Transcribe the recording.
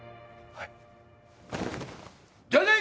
はい！